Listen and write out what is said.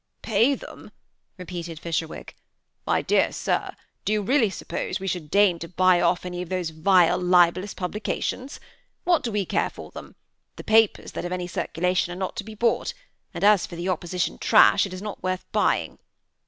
" Pay them !" repeated Fisherwick. " My dear sir, do you really suppose we should deign to buy off any of those vile, libellous publications ? What do we care for them ? The papers that have any circulation are not to be bought, and as for the opposition trashy it is not worth buying."